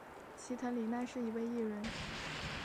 齐藤里奈是一位艺人。